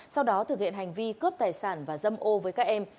sau đó thực hiện hành vi cướp tài sản và dâm ô với các em